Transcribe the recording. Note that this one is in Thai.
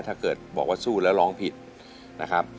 ถ้าเกิดบอกว่าสู้แล้วร้องผิดนะครับ